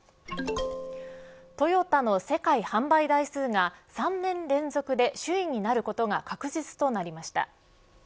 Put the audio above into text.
トヨタの世界販売台数が３年連続で首位になることが確実となりました。